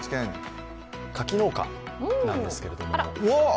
柿農家なんですけれども。